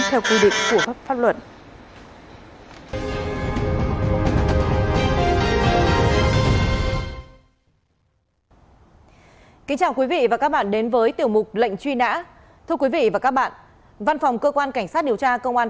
theo quy định của pháp luận